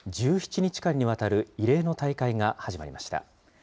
１７日間にわたる異例の大会が始まりました。